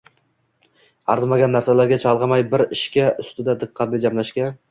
arzimagan narsalarga chalg‘imay bir ishga ustida diqqatni jamlashga